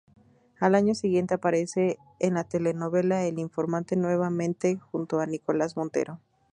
Al año siguiente aparece en la telenovela El informante nuevamente junto a Nicolás Montero.